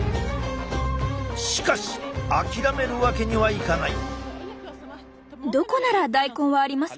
しかし諦めるわけにはいかない。